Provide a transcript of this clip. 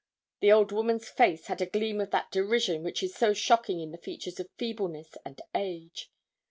The old woman's face had a gleam of that derision which is so shocking in the features of feebleness and age.